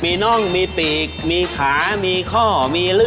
มีน่องมีปีกมีขามีข้อมีเลื่อ